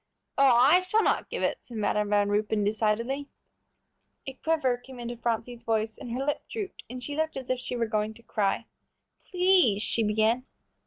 "Oh, I shall not give it," said Madam Van Ruypen, decidedly. A quiver came into Phronsie's voice and her lip drooped, and she looked as if she were going to cry. "Please," she began.